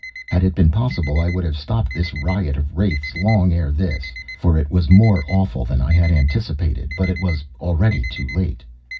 Had it been possible, I would have stopped this riot of wraiths long ere this, for it was more awful than I had anticipated, but it was already too late.